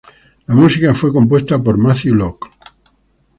La música fue compuesta por Matthew Locke.